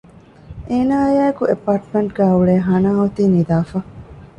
އޭނާ އާއި އެކު އެ އެޕާޓްމެންޓް ގައި އުޅޭ ހަނާ އޮތީ ނިދާފަ